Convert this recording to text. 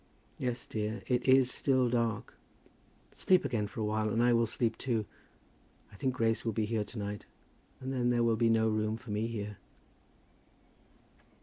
"Yes, dear, it is still dark. Sleep again for a while, and I will sleep too. I think Grace will be here to night, and then there will be no room for me here."